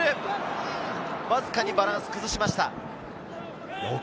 わずかにバランスを崩しました。